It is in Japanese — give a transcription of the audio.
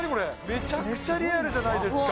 めちゃくちゃリアルじゃないですか。